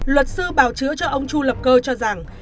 luật sư bào chữa cho ông chu lập cơ cho rằng